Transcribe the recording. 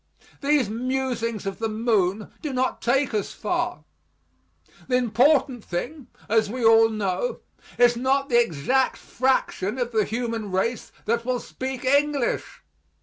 These musings of the moon do not take us far. The important thing, as we all know, is not the exact fraction of the human race that will speak English.